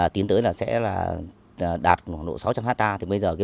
tính tới là sẽ đạt sáu trăm linh hectare